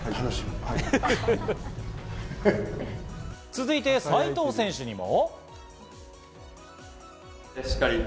続いて、齋藤選手にも。